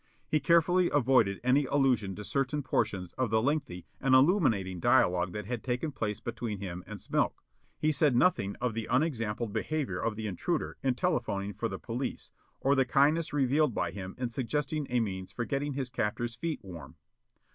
He carefully avoided any allusion to certain portions of the lengthy and illuminating dialogue that had taken place between him and Smilk; he said nothing of the unexampled behavior of the intruder in telephoning for the police, or the kindness revealed by him in suggesting a means for getting his captor's feet warm.